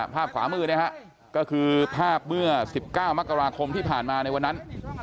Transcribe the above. ภาพขวามือก็คือภาพเมื่อ๑๙มกราคมที่ผ่านมาในวันนั้น